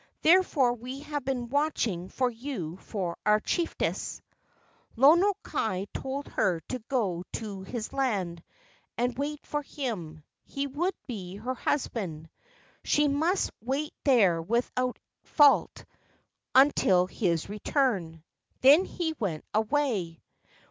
Therefore we have been watching for you for our chiefess." Lono kai told her to* go to his land and wait for him. He would be her husband. She must wait there without fault until his return. Then he went away.